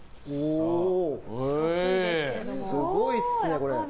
すごいっすね、これ。